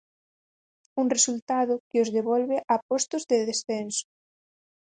Un resultado que os devolve a postos de descenso...